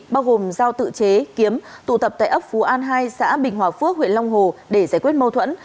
bao gồm giao tự chế kiếm tụ tập tại ấp phú an hai xã bình hòa phước huyện long hồ để giải quyết mâu thuẫn